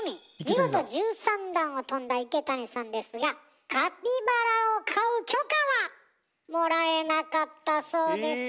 見事１３段をとんだ池谷さんですがカピバラを飼う許可はもらえなかったそうです。